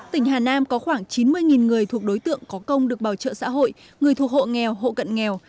tỉnh hà nam có khoảng chín mươi người thuộc đối tượng có công được bảo trợ xã hội người thuộc hộ nghèo hộ cận nghèo